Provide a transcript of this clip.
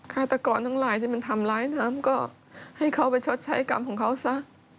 ฆาตกรทั้งหลายที่มันทำร้ายน้ำก็ให้เขาไปชดใช้กรรมของเขาซะ